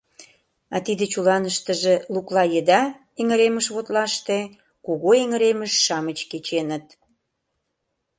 А тиде чуланыштыже лукла еда эҥыремышвотлаште кугу эҥыремыш-шамыч кеченыт.